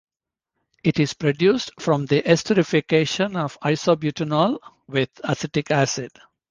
It is produced from the esterification of isobutanol with acetic acid.